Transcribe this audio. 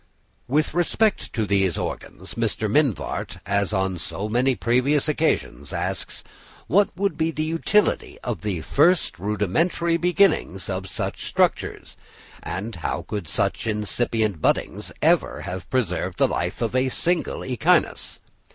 With respect to these organs, Mr. Mivart, as on so many previous occasions, asks: "What would be the utility of the first rudimentary beginnings of such structures, and how could such insipient buddings have ever preserved the life of a single Echinus?"